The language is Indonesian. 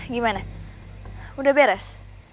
gimana udah beres